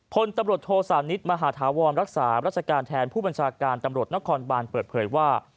พลตำรวจโทสานิทมหาธาวรรักษารัชการแทนผู้บัญชาการตำรวจนครบานเปิดเผยว่า